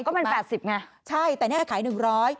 ก็เป็นแปดสิบไงใช่แต่เนี่ยขายหนึ่งร้อย